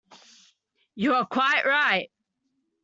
You are quite right.